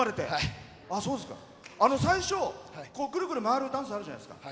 最初、ぐるぐる回るダンスあるじゃないですか。